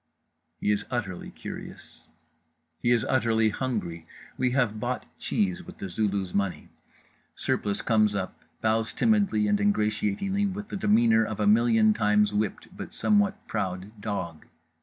He is utterly curious. He is utterly hungry. We have bought cheese with The Zulu's money. Surplice comes up, bows timidly and ingratiatingly with the demeanour of a million times whipped but somewhat proud dog.